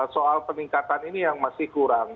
soal peningkatan ini yang masih kurang